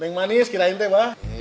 neng manis kira kira